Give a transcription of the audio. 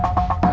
aku kasih tau